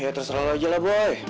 ya terserah lo aja lah boy